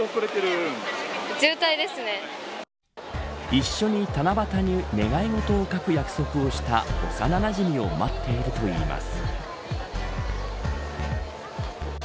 一緒に七夕に願い事を書く約束をした幼なじみを待っているといいます。